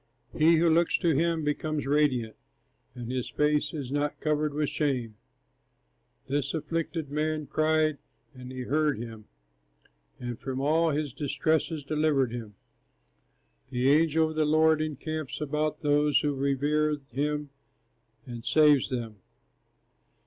He who looks to him, becomes radiant, And his face is not covered with shame. This afflicted man cried and he heard him, And from all his distresses delivered him. The angel of the Lord encamps About those who revere him, and saves them.